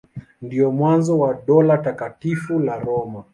Ndio mwanzo wa Dola Takatifu la Roma.